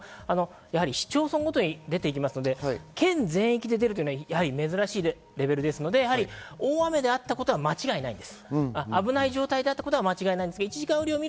市町村ごとに出ていますので、県全域で出るのは珍しいレベルですので大雨であったことは間違いないです。